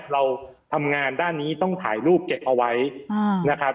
เราทำงานด้านนี้ต้องถ่ายรูปเก็บเอาไว้นะครับ